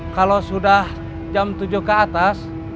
kalau sudah jam tujuh ke atas